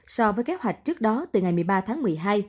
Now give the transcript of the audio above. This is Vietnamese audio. so với kế hoạch trước đó từ ngày một mươi ba tháng một mươi hai